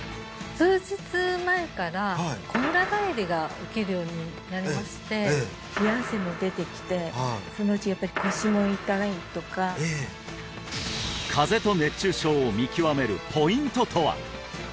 数日前からこむら返りが起きるようになりまして冷や汗も出てきてそのうちやっぱり腰も痛いとか風邪と熱中症を見極めるポイントとは？